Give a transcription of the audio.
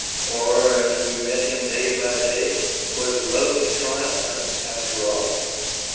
Or as we met him day by day. Was love triumphant, after all